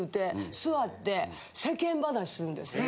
座って世間話するんです。